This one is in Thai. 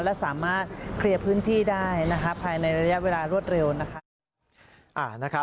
และสามารถเคลียร์พื้นที่ได้ภายในระยะเวลารวดเร็วนะคะ